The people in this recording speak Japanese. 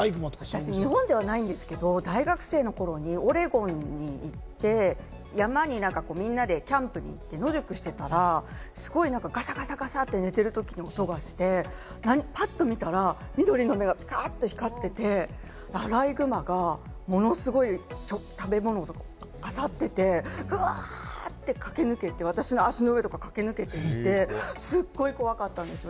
私、日本ではないんですけれども、大学のときにオレゴンに行って、山にみんなでキャンプに行って野宿していたら、ガサガサと寝ているときに音がして、ぱっと見たら緑の目が光っていて、アライグマがものすごい食べ物をあさってて、うわーって駆け抜けて、私の足の上とか駆け抜けていて、すごく怖かったんですよ。